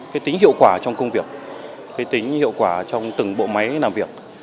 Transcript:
cái tính hiệu quả trong công việc cái tính hiệu quả trong từng bộ máy làm việc